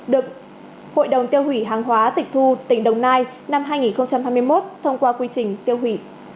được hội đồng tiêu hủy hàng hóa tịch thu tỉnh đồng nai năm hai nghìn hai mươi một thông qua quy trình tiêu hủy